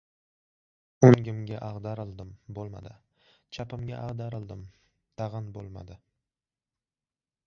O‘ngimga ag‘darildim — bo‘lmadi, chapimga ag‘darildim — tag‘in bo‘lmadi!